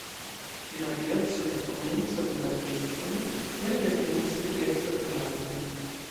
De rapideco de komenco de la testoj vere dependis sekureco de la lando.